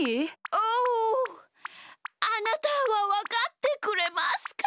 おおあなたはわかってくれますか？